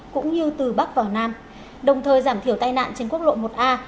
cũng như từ bắc vào nam đồng thời giảm thiểu tai nạn trên quốc lộ một a